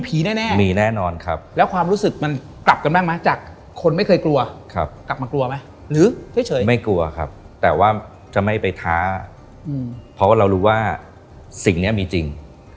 เพราะเรารู้ว่าสิ่งเนี่ยมีจริง